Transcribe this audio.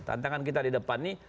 tantangan kita di depan ini